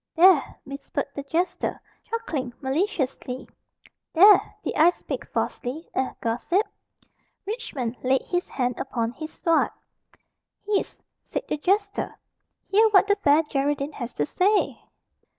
"There!" whispered the jester, chuckling maliciously, "there! did I speak falsely eh, gossip?" Richmond laid his hand upon his sword. "Hist!" said the jester; "hear what the Fair Geraldine has to say."